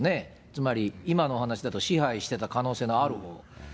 つまり今のお話だと、支配していた可能性のあるほう。